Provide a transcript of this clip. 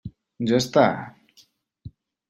Ja està?